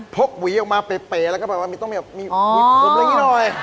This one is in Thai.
พกหวีออกมาเป๋แล้วก็แบบว่ามันต้องมีหวีปุ่มแบบนี้หน่อย